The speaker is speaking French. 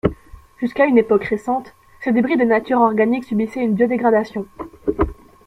Jusqu'à une époque récente, ces débris de nature organique subissaient une biodégradation.